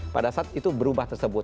pada saat itu berubah tersebut